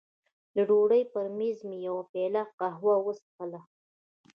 د ډوډۍ پر مېز مې یوه پیاله قهوه وڅښله.